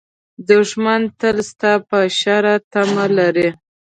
دښمن تل ستا د شر تمه لري